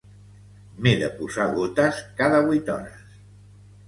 M'he de posar gotes cada vuit hores.